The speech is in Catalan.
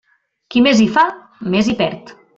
Qui més hi fa, més hi perd.